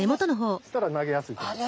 そしたら投げやすいと思います。